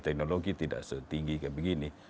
teknologi tidak setinggi kayak begini